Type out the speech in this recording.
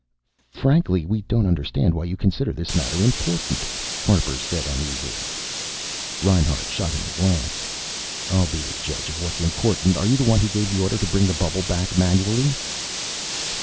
"Frankly, we don't understand why you consider this matter important," Harper said uneasily. Reinhart shot him a cold glance. "I'll be the judge of what's important. Are you the one who gave the order to bring the bubble back manually?"